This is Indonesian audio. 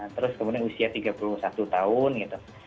terus kemudian usia tiga puluh satu tahun gitu